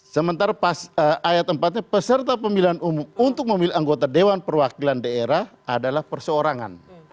sementara ayat empat nya peserta pemilihan umum untuk memilih anggota dewan perwakilan daerah adalah perseorangan